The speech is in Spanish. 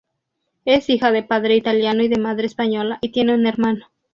Es hija de padre italiano y de madre española, y tiene un hermano.